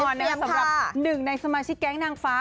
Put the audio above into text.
สำหรับหนึ่งในสมาชิกแก๊งนางฟ้า